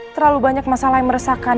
terlalu banyak masalah yang meresahkan